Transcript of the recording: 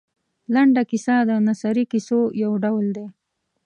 لنډه کیسه د نثري کیسو یو ډول دی.